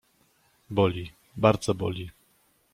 Boli, bardzo boli!